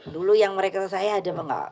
dulu yang mereka saya ada apa nggak